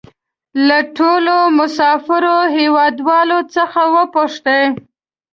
له ټولو مسافرو هېوادوالو څخه وپوښتئ.